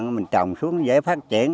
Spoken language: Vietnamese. mình trồng xuống dễ phát triển